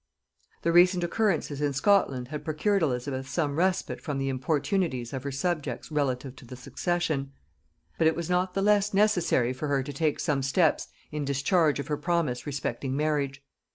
The recent occurrences in Scotland had procured Elizabeth some respite from the importunities of her subjects relative to the succession; but it was not the less necessary for her to take some steps in discharge of her promise respecting marriage.